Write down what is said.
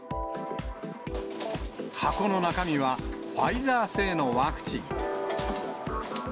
箱の中身はファイザー製のワクチン。